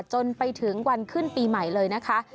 จนไปถึงวันขึ้นปีใหม่เลยนะคะ